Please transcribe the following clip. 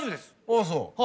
あっそう。